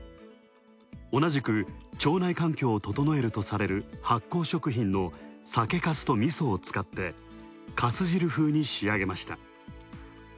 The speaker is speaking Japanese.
同じく腸内環境を整えるとされる発酵食品の酒粕と味噌を使って粕汁風に仕上げました。